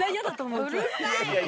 うるさい。